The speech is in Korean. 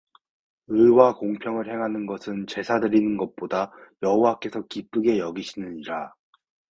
의와 공평을 행하는 것은 제사 드리는 것보다 여호와께서 기쁘게 여기시느니라